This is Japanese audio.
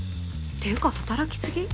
っていうか働き過ぎ？